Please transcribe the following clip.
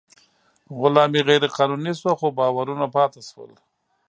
غلامي غیر قانوني شوه، خو باورونه پاتې شول.